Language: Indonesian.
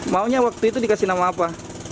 maunya waktu itu dikasih nama apa